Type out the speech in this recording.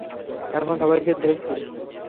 এখন, সবাইকে ধরেছি।